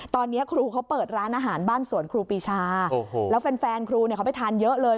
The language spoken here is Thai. ตอนนี้ครูเขาเปิดร้านอาหารบ้านสวนครูปีชาโอ้โหแล้วแฟนครูเขาไปทานเยอะเลย